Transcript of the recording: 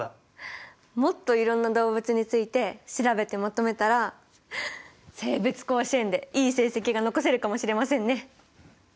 もっといろんな動物について調べてまとめたら生物甲子園でいい成績が残せるかもしれませんね。